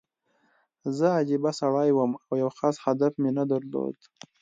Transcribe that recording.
زه عجیبه سړی وم او یو خاص هدف مې نه درلود